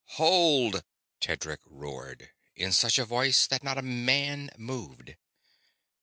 "HOLD!" Tedric roared, in such a voice that not a man moved.